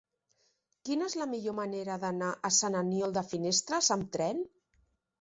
Quina és la millor manera d'anar a Sant Aniol de Finestres amb tren?